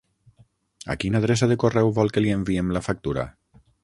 A quina adreça de correu vol que li enviem la factura?